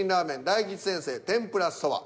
大吉先生「天ぷらそば」。